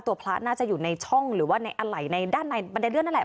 พระน่าจะอยู่ในช่องหรือว่าในอะไหล่ในด้านในบันไดเลื่อนนั่นแหละ